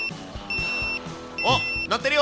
あっ鳴ってるよ！